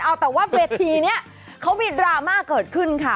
เอาแต่ว่าเวทีนี้เขามีดราม่าเกิดขึ้นค่ะ